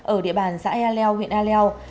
ở địa bàn xã ea leo huyện ea leo